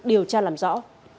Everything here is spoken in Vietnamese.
điều tra làm rõ